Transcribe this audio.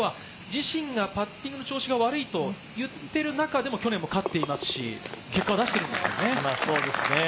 堀川自身のパッティングの調子が悪いと言っている中でも去年も勝っていますし、結果を出しているんですよね。